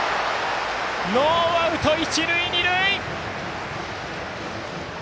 ノーアウト、一塁二塁！